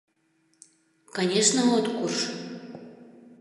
— Конешне, от курж!